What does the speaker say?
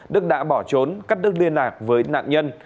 đức đã bỏ trốn cắt đức liên lạc với nạn nhân